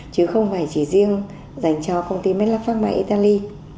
chứ không phải chỉ riêng dành cho công ty mét lạc phát mạng italy